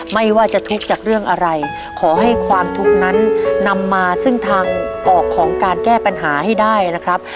ไม่ว่าจะทุกข์จากเรื่องอะไรขอให้ความทุกข์นั้นนำมาซึ่งทางออกของการแก้ปัญหาให้ได้นะครับ